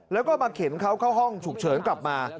แล้วก็มาเข็นเขาเข้าห้องฉุกเฉินกลับมา